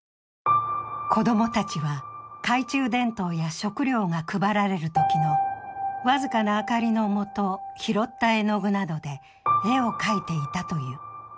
こともたちは、懐中電灯や食料が配られるときの僅かな明かりの下拾った絵の具などで絵を描いていたという。